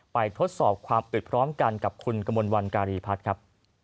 ทดสอบความอึดพร้อมกันกับคุณกมลวันการีพัฒน์ครับ